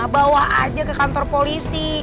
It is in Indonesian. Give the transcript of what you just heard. bawa aja ke kantor polisi